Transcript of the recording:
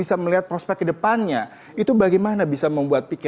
seperti itu pak